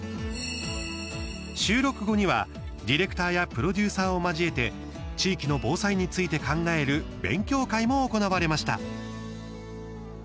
収録後には、ディレクターやプロデューサーを交えて地域の防災について考える勉強会も行われました。